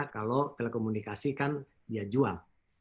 kalau telekomunikasi kan dia jual